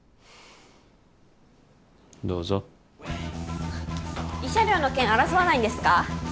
どうぞ慰謝料の件争わないんですか？